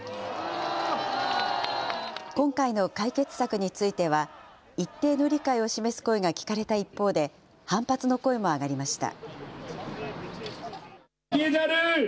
今回の解決策については、一定の理解を示す声が聞かれた一方で、反発の声も上がりました。